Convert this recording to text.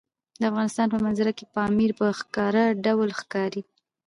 د افغانستان په منظره کې پامیر په ښکاره ډول ښکاري.